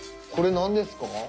これなんですか？